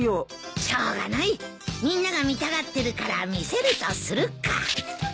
しょうがないみんなが見たがってるから見せるとするか。